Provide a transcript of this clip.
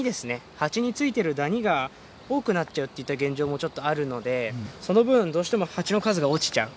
ハチについてるダニが多くなっちゃうといった現状もちょっとあるので、その分、どうしてもハチの数が落ちちゃう。